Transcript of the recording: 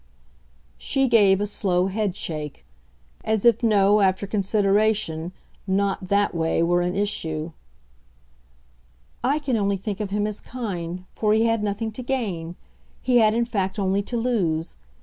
She gave a slow headshake as if, no, after consideration, not THAT way were an issue. "I can only think of him as kind, for he had nothing to gain. He had in fact only to lose.